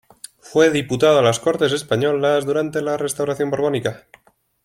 Fue diputado a las Cortes Españolas durante la restauración borbónica.